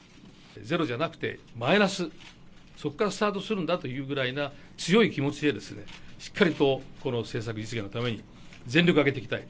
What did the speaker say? ゼロじゃなくてマイナス、そこからスタートするんだというぐらいな、強い気持ちでですね、しっかりとこの政策実現のために全力を挙げていきたい。